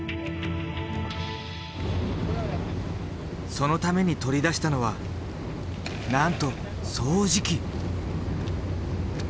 そのために取り出したのはなんと掃除機！